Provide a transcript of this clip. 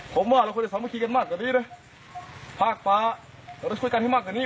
ผมว่าเราควรจะสามัคคีกันมากกว่านี้นะภาคฟ้าเราจะช่วยกันให้มากกว่านี้